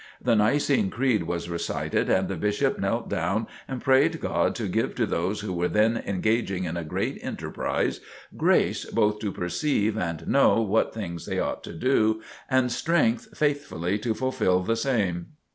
The Nicene Creed was recited and the Bishop knelt down and prayed God to give to those who were then engaging in a great enterprise, "grace both to perceive and know what things they ought to do, and strength faithfully to fulfill the same."